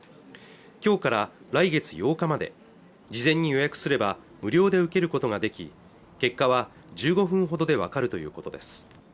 今日から来月８日まで事前に予約すれば無料で受けることができ結果は１５分ほどで分かるということです